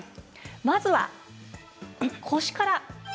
まずは腰から。